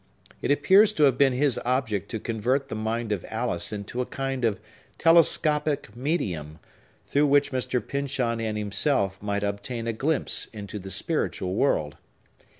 It appears to have been his object to convert the mind of Alice into a kind of telescopic medium, through which Mr. Pyncheon and himself might obtain a glimpse into the spiritual world.